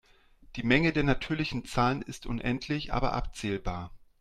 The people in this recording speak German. Die Menge der natürlichen Zahlen ist unendlich aber abzählbar.